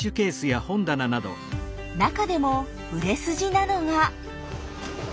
中でも売れ筋なのが。